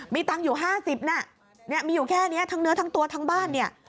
มีตังค์อยู่๕๐น่ะมีอยู่แค่นี้ทั้งเนื้อทั้งตัวทั้งบ้านเนี่ย